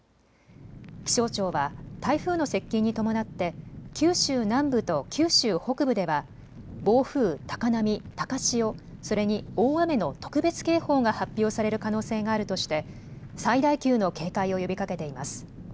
気象庁は台風の接近に伴って九州南部と九州北部では暴風、高波、高潮それに大雨の特別警報が発表される可能性があるとして最大級の警戒を呼びかけています。